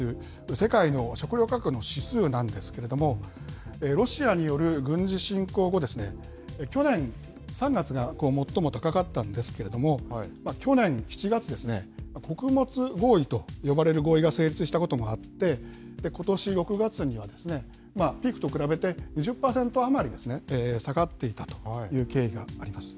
世界の食料価格の指数なんですけれども、ロシアによる軍事侵攻後、去年３月が最も高かったんですけれども、去年７月、穀物合意と呼ばれる合意が成立したこともあって、ことし６月にはピークと比べて、２０％余り下がっていたという経緯があります。